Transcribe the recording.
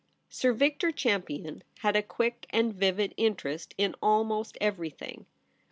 Sir Victor Champion had a quick and vivid interest in almost everything.